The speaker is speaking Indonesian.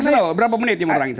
tunggu berapa menit jimur ranggit